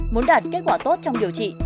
muốn đạt kết quả tốt trong điều trị